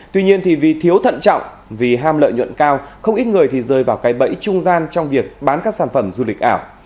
tuy nhiên thì vì thiếu thận trọng vì ham lợi nhuận cao không ít người thì rơi vào cái bẫy trung gian trong việc bán các sản phẩm du lịch ảo